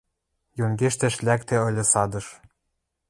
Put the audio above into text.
Йонгештӓш лӓктӹ ыльы садыш.